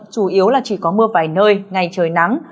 chủ yếu là chỉ có mưa vài nơi ngày trời nắng